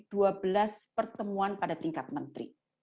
dua belas pertemuan pada tingkat menteri